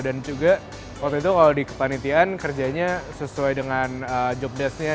dan juga waktu itu kalau di kepanitian kerjanya sesuai dengan jobdesknya